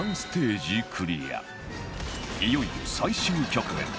いよいよ最終局面